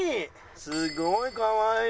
すごいかわいい。